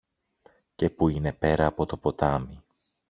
και που είναι πέρα από το ποτάμι.